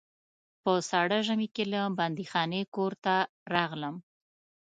په ساړه ژمي کې له بندیخانې کور ته راغلم.